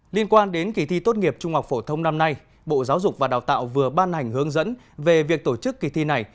liên quan đến kỳ thi tốt nghiệp trung học phổ thông năm nay bộ giáo dục và đào tạo vừa ban hành hướng dẫn về việc tổ chức kỳ thi này